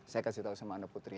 saya kasih tahu sama anda putri